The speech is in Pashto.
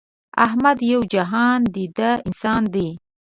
احمد یو جهان دیده انسان دی.